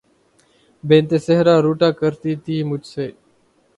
بنت صحرا روٹھا کرتی تھی مجھ سے